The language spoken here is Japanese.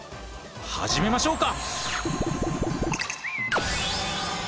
始めましょうか！